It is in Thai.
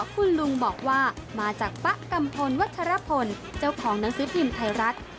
คุณลุงบอกว่ามาจากป๊ะกัมพลวัชรพลเจ้าของหนังสือพิมพ์ไทยรัฐ